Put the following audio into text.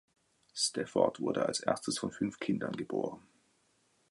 Stafford wurde als erstes von fünf Kindern geboren.